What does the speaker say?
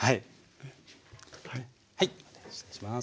はい失礼します。